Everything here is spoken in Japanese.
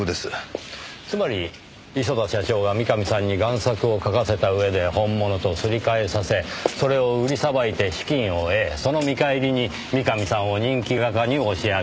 つまり磯田社長が三上さんに贋作を描かせた上で本物とすり替えさせそれを売りさばいて資金を得その見返りに三上さんを人気画家に押し上げたという構図でしょうかねぇ。